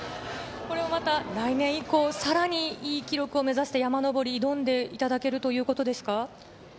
来年以降、さらに良い記録を目指して山上りに挑んでいただけるということですか？